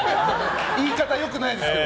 言い方良くないですけど。